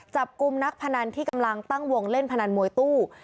จับกลุ่มนักพนันที่กำลังตั้งวงเล่นพนันมวยตู้